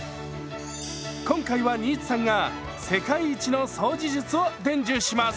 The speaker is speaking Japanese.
今回は新津さんが世界一の掃除術を伝授します！